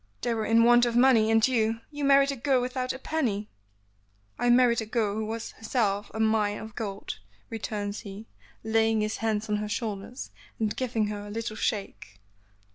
"They were in want of money, and you you married a girl without a penny." "I married a girl who was in herself a mine of gold," returns he, laying his hands on her shoulders and giving her a little shake.